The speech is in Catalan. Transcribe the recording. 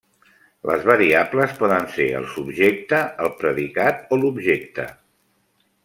Les variables poden ser el subjecte, el predicat o l'objecte.